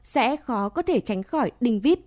sẽ khó có thể tránh khỏi đinh vít